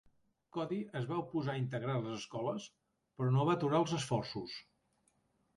Cody es va oposar a integrar les escoles, però no va aturar els esforços.